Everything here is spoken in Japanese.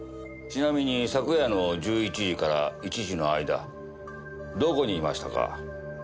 ちなみに昨夜の１１時から１時の間どこにいましたか？